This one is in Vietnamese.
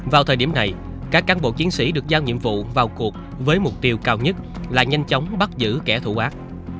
vào thời điểm này các cán bộ chiến sĩ được giao nhiệm vụ vào cuộc với mục tiêu cao nhất là nhanh chóng bắt giữ kẻ thù ác